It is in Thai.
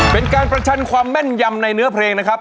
เป็นการประชันความแม่นยำในเนื้อเพลงนะครับ